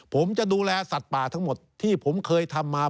ผมจะดูแลสัตว์ป่าทั้งหมดที่ผมเคยทำมา